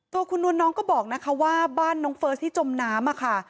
ตัวคุณนวลน้องก็บอกนะคะว่าบ้านน้องเฟิร์สที่จมน้ำค่ะ